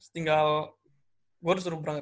tinggal gue udah disuruh berangkat